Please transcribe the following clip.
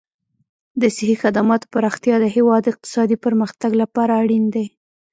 د صحي خدماتو پراختیا د هېواد اقتصادي پرمختګ لپاره اړین دي.